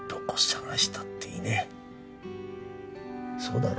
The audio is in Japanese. そうだろ？